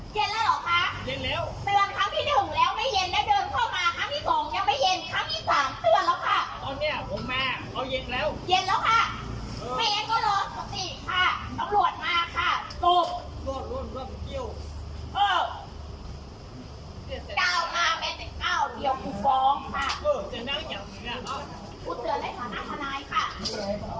เย็นแล้วหรอคะเย็นแล้วเตือนคำที่หนึ่งแล้วไม่เย็นแล้วเดินเข้ามาคำที่สองยังไม่เย็นคำที่สามเตือนแล้วค่ะตอนเนี้ยผมมาเอาเย็นแล้วเย็นแล้วค่ะเออ